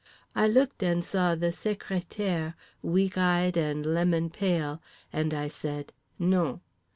I looked and saw the secrétaire, weak eyed and lemon pale, and I said "_Non.